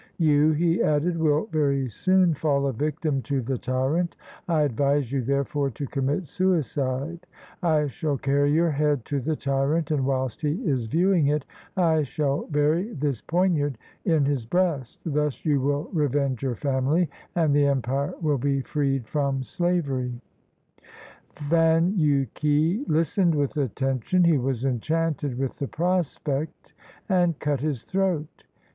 *'You," he added, "will very soon fall a victim to the tyrant; I advise you, therefore, to commit suicide; I shall carry your head to the tyrant, and whilst he is viewing it, I shall bury this poniard in his breast; thus you will revenge your family, and the empire will be freed from slavery." Fan yu ke listened with attention; he was enchanted with the prospect and cut his throat.